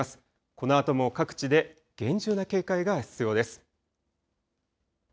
このあとも各地で厳重な警戒が必要です。